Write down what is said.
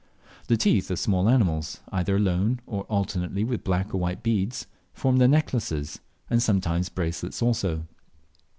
The teeth of small animals, either alone, or alternately with black or white beads, form their necklaces, and sometimes bracelets also.